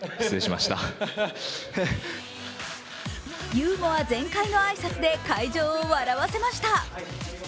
ユーモア全開の挨拶で会場を笑わせました。